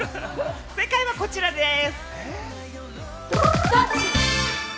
正解はこちらです。